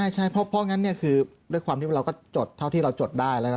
ใช่เพราะงั้นคือด้วยความที่เราก็จดเท่าที่เราจดได้แล้วนะ